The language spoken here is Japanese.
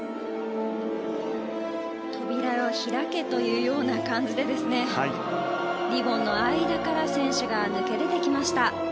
扉よ開けというような感じでリボンの間から選手が抜け出てきました。